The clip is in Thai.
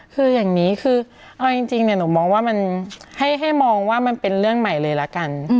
คืออย่างนี้คือเอาจริงหนูมองว่ามันให้มองว่ามันเป็นเรื่องใหม่เลยละกัน